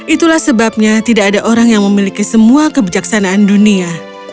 itulah sebabnya tidak ada orang yang memiliki semua kebijaksanaan dunia